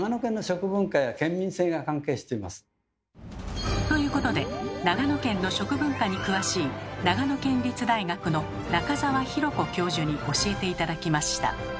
それはということで長野県の食文化に詳しい長野県立大学の中澤弥子教授に教えて頂きました。